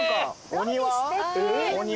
お庭？